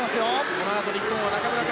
このあと日本は中村克